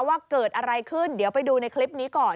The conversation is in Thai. ว่าเกิดอะไรขึ้นเดี๋ยวไปดูในคลิปนี้ก่อน